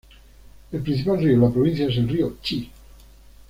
El principal río de la provincia es el río Chi.